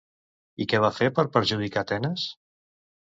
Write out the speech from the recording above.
I què va fer per perjudicar Tenes?